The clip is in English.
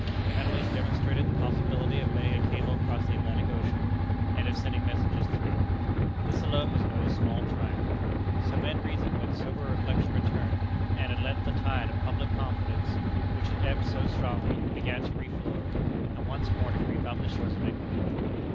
They had at least demonstrated the possibility of laying a cable across the Atlantic Ocean, and of sending messages through it. This alone was no small triumph. So men reasoned when sober reflection returned, and at length the tide of public confidence, which had ebbed so strongly, began to reflow, and once more to creep up the shores of England.